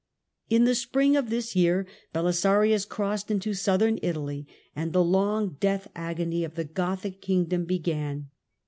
In the spring of this year Belisarius crossed into Southern Italy, and the long death agony of the Gothic kingdom began.